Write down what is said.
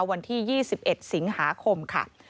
วันที่๒๑สิงหาคมค่ะ